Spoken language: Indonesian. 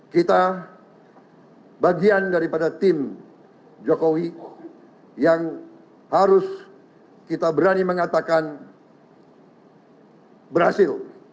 kita bagian daripada tim jokowi yang harus kita berani mengatakan berhasil